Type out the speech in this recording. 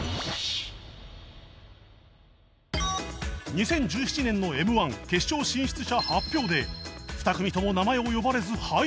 ２０１７年の Ｍ−１ 決勝進出者発表で２組とも名前を呼ばれず敗退